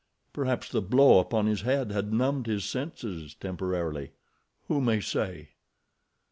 Perhaps the blow upon his head had numbed his senses, temporarily—who may say?